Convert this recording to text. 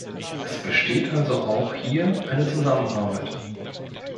Es besteht also auch hier eine Zusammenarbeit.